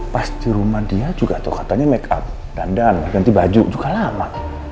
pas di rumah dia juga tuh katanya makeup dandan ganti baju juga lama